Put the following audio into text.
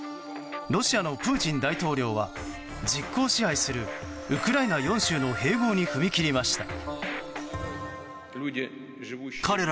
ロシアのプーチン大統領は実効支配するウクライナ４州の併合に踏み切りました。